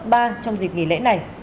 tăng gấp đôi gấp ba trong dịp nghỉ lễ này